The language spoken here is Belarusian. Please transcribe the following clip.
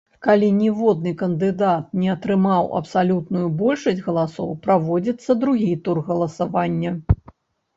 Калі ніводны кандыдат не атрымаў абсалютную большасць галасоў, праводзіцца другі тур галасавання.